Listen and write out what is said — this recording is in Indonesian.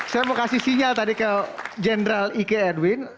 saya mau kasih sinyal tadi ke general ik edwin